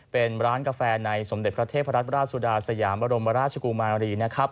เป็นร้านกาแฟในสมเด็จพระเทพรัตนราชสุดาสยามบรมราชกุมารีนะครับ